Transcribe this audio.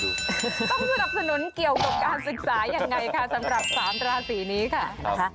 จริงต้องรับสนุนเกี่ยวกับการศึกษาสำหรับ๓๔นะคะ